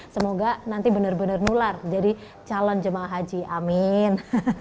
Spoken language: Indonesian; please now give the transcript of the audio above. semoga nanti benar benar nular jadi calon jemaah haji amin